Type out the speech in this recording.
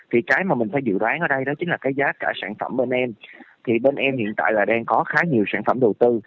hiện tại là đang có khá nhiều sản phẩm đầu tư